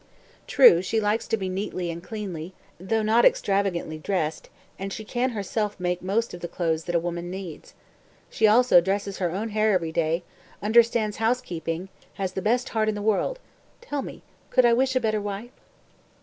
True she likes to be neatly and cleanly, though not extravagantly, dressed, and she can herself make most of the clothes that a woman needs; she also dresses her own hair every day, understands housekeeping, has the best heart in the world, tell me, could I wish a better wife?"